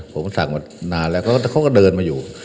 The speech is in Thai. ผมสั่งมานานแล้วเขาก็เดินมาอยู่